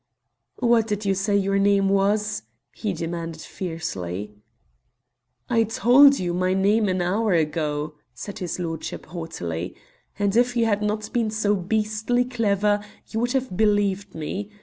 "What did you say your name was?" he demanded fiercely. "I told you my name an hour ago," said his lordship haughtily, "and if you had not been so beastly clever you would have believed me.